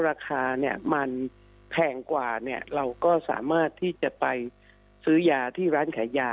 ราคาเนี่ยมันแพงกว่าเราก็สามารถที่จะไปซื้อยาที่ร้านขายยา